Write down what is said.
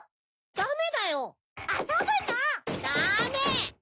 ダメ！